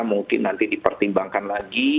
mungkin nanti dipertimbangkan lagi